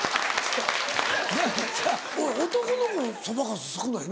男の子そばかす少ないな。